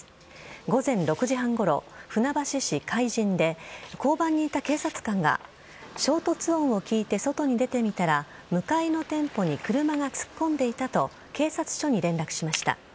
午前６時半ごろ、船橋市海神で交番にいた警察官が衝突音を聞いて外に出てみたら向かいの店舗に車が突っ込んでいたと警察署に連絡しました。